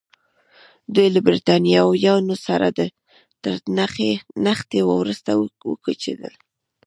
دوی له برېټانویانو سره تر نښتې وروسته وکوچېدل.